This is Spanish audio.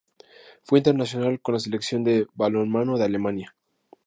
Fue internacional con la Selección de balonmano de Alemania.